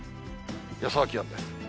予想気温です。